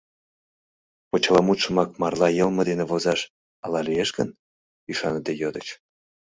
— Почеламутшымак марла йылме дене возаш ала лиеш гын? — ӱшаныде йодыч.